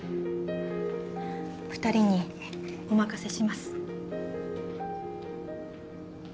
二人にお任せします